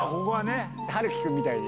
陽喜くんみたいに。